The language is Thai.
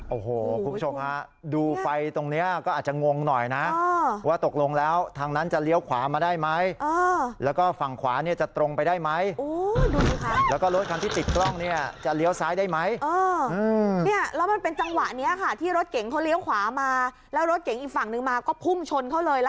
โอ้โหคุณผู้ชมฮะดูไฟตรงนี้ก็อาจจะงงหน่อยนะว่าตกลงแล้วทางนั้นจะเลี้ยวขวามาได้ไหมแล้วก็ฝั่งขวาเนี่ยจะตรงไปได้ไหมแล้วก็รถคันที่ติดกล้องเนี่ยจะเลี้ยวซ้ายได้ไหมเนี่ยแล้วมันเป็นจังหวะนี้ค่ะที่รถเก๋งเขาเลี้ยวขวามาแล้วรถเก๋งอีกฝั่งนึงมาก็พุ่งชนเขาเลย